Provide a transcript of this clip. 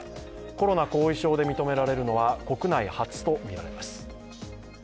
コロナ後遺症で認められるのは国内初とみられます。